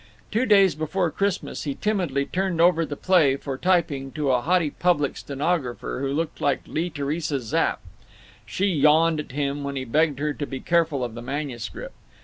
Two days before Christmas he timidly turned over the play for typing to a haughty public stenographer who looked like Lee Theresa Zapp. She yawned at him when he begged her to be careful of the manuscript.